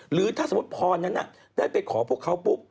หรือถ้าสมมุติพรนั้นได้ไปขอพวกเขาปุ๊บ